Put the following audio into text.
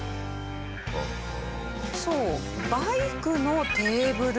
そうバイクのテーブル。